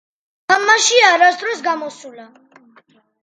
თამაში არასდროს გამოსულა.